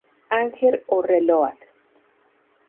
Anger" o "ReLoad".